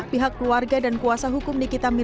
pihak keluarga dan kuasa hukum